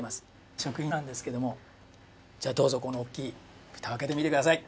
食品なんですけどもじゃあどうぞこのおっきいふたをあけてみてください。